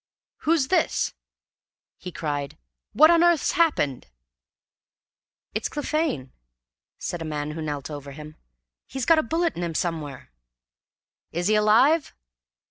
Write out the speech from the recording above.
"Who's this?" he cried. "What on earth's happened?" "It's Clephane," said a man who knelt over him. "He's got a bullet in him somewhere." "Is he alive?"